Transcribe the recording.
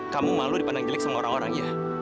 kamu malu dipandang jelek sama orang orang ya